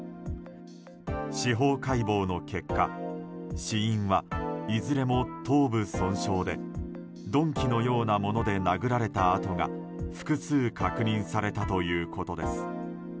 司法解剖の結果死因はいずれも頭部損傷で鈍器のようなもので殴られた痕が複数確認されたということです。